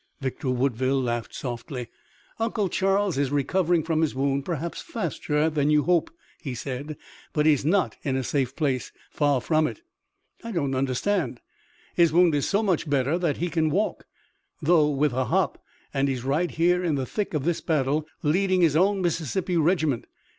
Victor Woodville laughed softly. "Uncle Charles is recovering from his wound perhaps faster than you hope," he said, "but he's not in a safe place. Far from it." "I don't understand." "His wound is so much better that he can walk, though with a hop, and he's right here in the thick of this battle, leading his own Mississippi regiment.